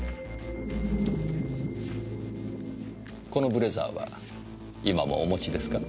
このブレザーは今もお持ちですか？